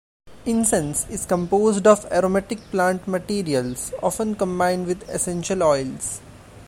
Incense is composed of aromatic plant materials, often combined with essential oils.